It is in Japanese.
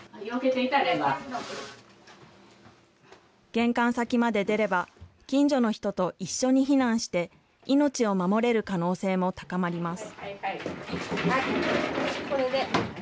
玄関先まで出れば、近所の人と一緒に避難して、命を守れる可能性も高まります。